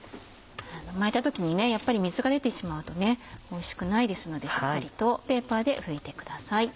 巻いた時にやっぱり水が出てしまうとおいしくないですのでしっかりとペーパーで拭いてください。